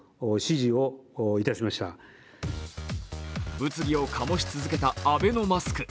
物議を醸し続けたアベノマスク。